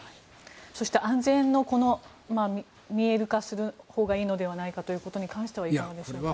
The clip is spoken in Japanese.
そして、安全を見える化するほうがいいのではないかということに関してはいかがでしょうか。